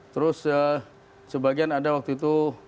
terus sebagian ada waktu itu